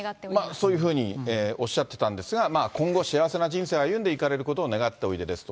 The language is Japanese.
そういうふうにおっしゃってたんですが、今後、幸せな人生を歩んでいかれることを願っておいでですと。